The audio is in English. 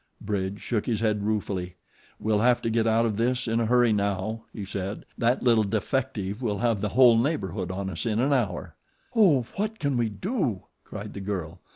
Bridge shook his head ruefully. "We'll have to get out of this in a hurry now," he said. "That little defective will have the whole neighborhood on us in an hour." "Oh, what can we do?" cried the girl.